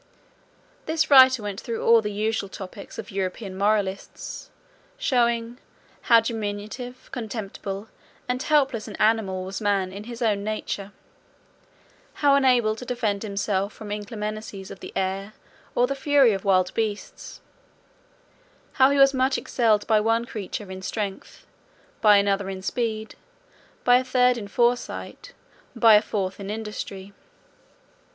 This writer went through all the usual topics of European moralists, showing "how diminutive, contemptible, and helpless an animal was man in his own nature; how unable to defend himself from inclemencies of the air, or the fury of wild beasts: how much he was excelled by one creature in strength, by another in speed, by a third in foresight, by a fourth in industry."